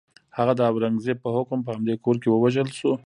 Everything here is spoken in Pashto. هغه د اورنګزېب په حکم په همدې کور کې ووژل شو.